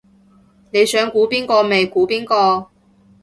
你想估邊個咪估邊個